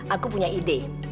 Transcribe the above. aku punya ide